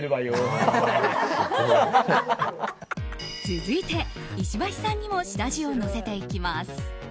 続いて、石橋さんにも下地をのせていきます。